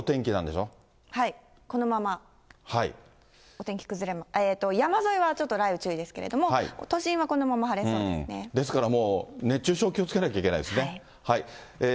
はい、このままお天気、山沿いはちょっと雷雨、注意ですけれども、都心はこのまま晴れそうでですから、もう、熱中症、気をつけないといけないですね。